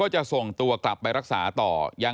พบหน้าลูกแบบเป็นร่างไร้วิญญาณ